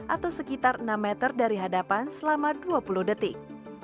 atau sekitar enam meter dari hadapan selama dua puluh detik